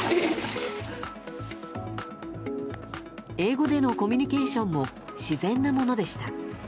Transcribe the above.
英語でのコミュニケーションも自然なものでした。